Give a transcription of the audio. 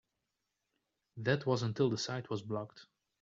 That was until the site was blocked.